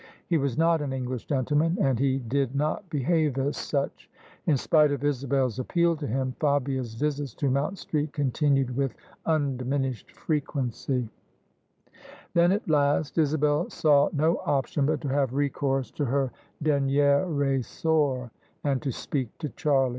He was not an English gentleman, and he did not behave as such: in spite of Isabel's appeal to him, Fabia's visits to Moimt Street continued with undiminished frequency. OF ISABEL CARNABY Then at last Isabel saw no option but to have recourse to her dernier ressort, and to speak to Charlie.